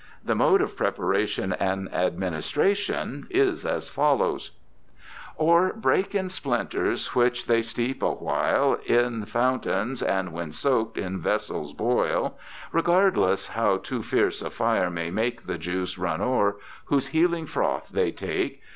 The mode of preparation and administration is as follows : Or break in splinters, which they steep a while In fountains, and w^hen soak'd, in vessels boil, Regardless how too fierce a fire may make The juice run o'er, whose healing froth they take.